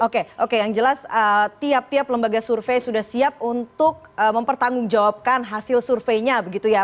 oke oke yang jelas tiap tiap lembaga survei sudah siap untuk mempertanggungjawabkan hasil surveinya begitu ya